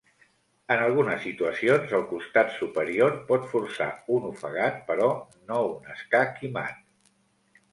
En algunes situacions, el costat superior pot forçar un ofegat, però no un escac i mat.